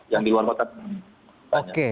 yang di luar kota